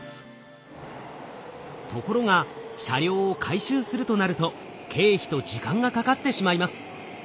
ところが車両を改修するとなると経費と時間がかかってしまいます。